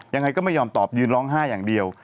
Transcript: ยังไงก็ไม่ยอมตอบยืนร้องไห้อย่างเดียว